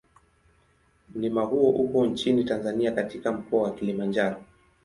Mlima huo uko nchini Tanzania katika Mkoa wa Kilimanjaro.